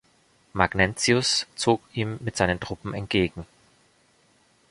Magnentius zog ihm mit seinen Truppen entgegen.